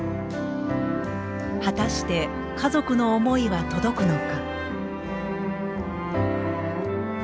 果たして家族の思いは届くのか。